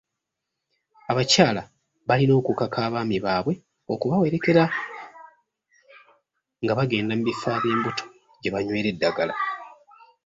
Abakyala balina okukaka abaami baabwe okubawerekera nga bagenda mu bifo ab'embuto gye banywera eddagala.